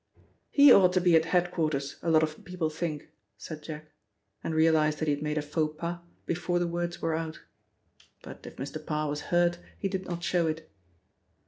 "He ought to be at head quarters, a lot of people think," said Jack, and realised that he had made a faux pas before the words were out. But if Mr. Parr was hurt he did not show it.